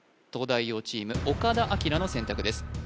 東大王チーム岡田哲明の選択です